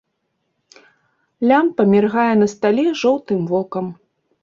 Лямпа міргае на стале жоўтым вокам.